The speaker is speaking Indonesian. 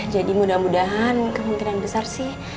jadi mudah mudahan kemungkinan besar sih